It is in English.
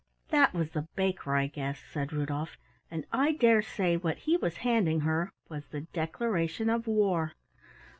"That was the Baker, I guess," said Rudolf, "and I dare say what he was handing her was the declaration of war!